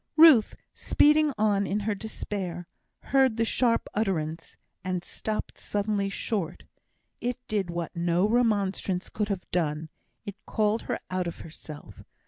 Ruth, speeding on in her despair, heard the sharp utterance, and stopped suddenly short. It did what no remonstrance could have done; it called her out of herself.